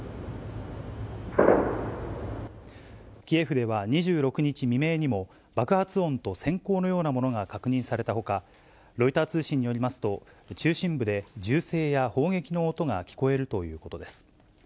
キエフでは２６日未明にも爆発音とせん光のようなものが確認されたほか、ロイター通信によりますと、中心部で銃声や砲撃の音が聞こえるということです。